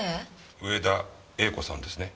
植田栄子さんですね？